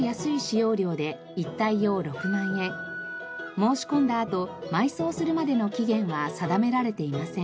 申し込んだあと埋葬するまでの期限は定められていません。